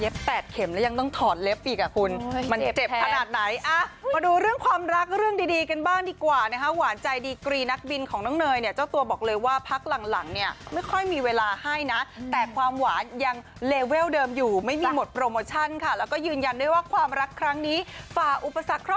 เข็มแล้วยังต้องถอดเล็บอีกอ่ะคุณมันเจ็บขนาดไหนอ่ะมาดูเรื่องความรักเรื่องดีดีกันบ้างดีกว่านะคะหวานใจดีกรีนักบินของน้องเนยเนี่ยเจ้าตัวบอกเลยว่าพักหลังหลังเนี่ยไม่ค่อยมีเวลาให้นะแต่ความหวานยังเลเวลเดิมอยู่ไม่มีหมดโปรโมชั่นค่ะแล้วก็ยืนยันด้วยว่าความรักครั้งนี้ฝ่าอุปสรรค